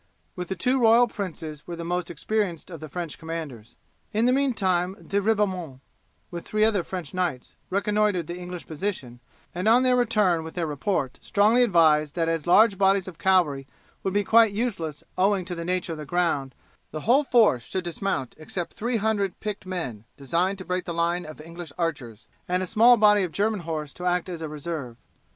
With the two royal princes were the most experienced of the French commanders. In the meantime De Ribaumont, with three other French knights, reconnoitered the English position, and on their return with their report strongly advised that as large bodies of cavalry would be quite useless owing to the nature of the ground, the whole force should dismount except 300 picked men designed to break the line of English archers and a small body of German horse to act as a reserve.